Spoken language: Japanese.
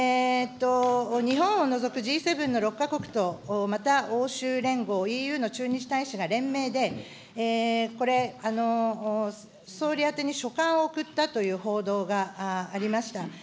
日本を除くＧ７の６か国と、また欧州連合・ＥＵの駐日大使が連名で、これ、総理宛てに書簡を送ったという報道がありました。